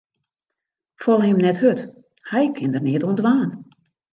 Fal him net hurd, hy kin der neat oan dwaan.